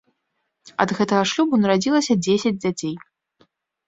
Ад гэтага шлюбу нарадзілася дзесяць дзяцей.